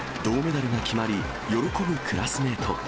銅メダルが決まり、喜ぶクラスメート。